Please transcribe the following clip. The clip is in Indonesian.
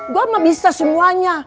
gue emang bisa semuanya